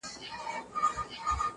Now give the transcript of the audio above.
وږی تږی د سل کالو په سل کاله نه مړېږم,